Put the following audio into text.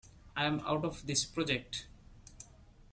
I'm out of this project.